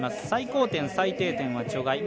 最高点、最低点は除外。